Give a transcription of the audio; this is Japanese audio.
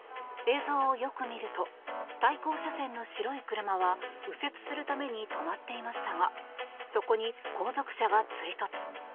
映像をよく見ると対向車線の白い車は右折するために止まっていましたがそこに後続車が追突。